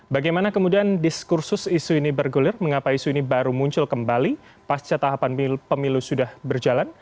bagaimana kemudian diskursus isu ini bergulir mengapa isu ini baru muncul kembali pasca tahapan pemilu sudah berjalan